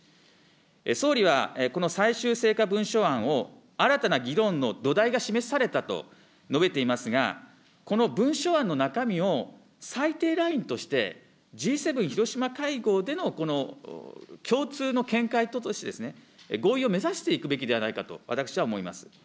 総理はこの最終成果文書案を、新たな議論の土台が示されたと述べていますが、この文書案の中身を、最低ラインとして、Ｇ７広島会合でのこの共通の見解として、合意を目指していくべきではないかと私は思います。